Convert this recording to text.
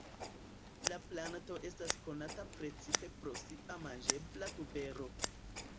La planto estas konata precipe pro sia manĝebla tubero.